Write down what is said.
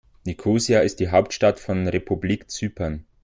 Nikosia ist die Hauptstadt von Republik Zypern.